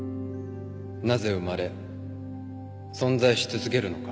なぜ生まれ存在し続けるのか。